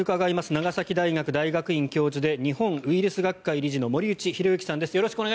長崎大学大学院教授で日本ウイルス学会理事の森内浩幸さんです。